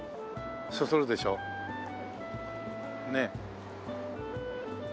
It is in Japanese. そそるでしょ？ねえ。